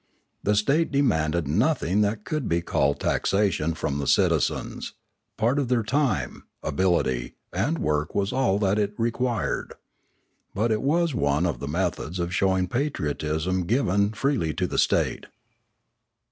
The state demanded nothing that could be called taxation from the citizens; part of their time, ability, and work was all that it required. But it was one of the methods of showing patriotism to give freely to the state.